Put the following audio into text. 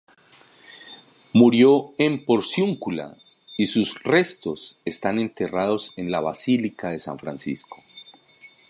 Murió en Porciúncula, y sus restos están enterrados en la Basílica de San Francisco.